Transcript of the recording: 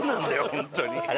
本当に。